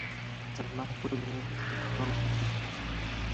سەلمان! خۆی لێ دە خەو کردم